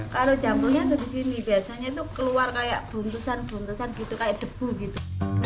kalau jamurnya di sini biasanya itu keluar kayak bruntusan bruntusan gitu kayak debu gitu